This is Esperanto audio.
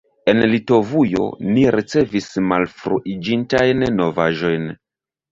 En Litovujo ni ricevis malfruiĝintajn novaĵojn.